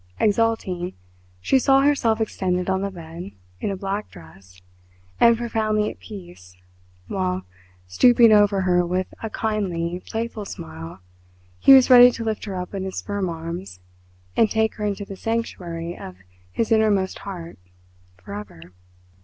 Exulting, she saw herself extended on the bed, in a black dress, and profoundly at peace, while, stooping over her with a kindly, playful smile, he was ready to lift her up in his firm arms and take her into the sanctuary of his innermost heart for ever!